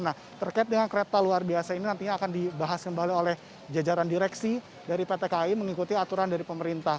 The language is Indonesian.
nah terkait dengan kereta luar biasa ini nantinya akan dibahas kembali oleh jajaran direksi dari pt kai mengikuti aturan dari pemerintah